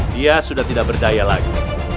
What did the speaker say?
dia sudah tidak berdaya lagi